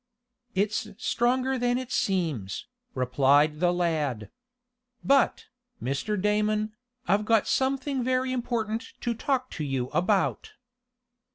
"It's stronger than it seems," replied the lad. "But, Mr. Damon, I've got something very important to talk to you about."